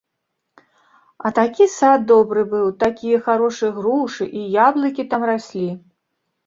А такі сад добры быў, такія харошыя грушы і яблыкі там раслі.